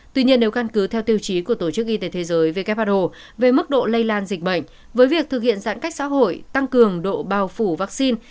tuy nhiên nếu căn cứ theo tiêu chí của tổ chức y tế thế giới who về mức độ lây lan dịch bệnh với việc thực hiện giãn cách xã hội tăng cường độ bao phủ vaccine